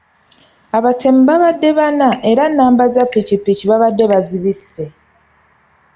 Abatemu babadde bana era nnamba za ppikipiki babadde bazibisse.